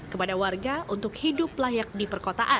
kepada warga untuk hidup layak di perkotaan